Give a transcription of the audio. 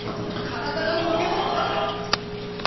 体がのけ反った！